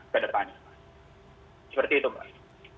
seperti itu pak